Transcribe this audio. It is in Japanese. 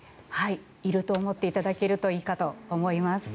いると思っていただけるといいかと思います。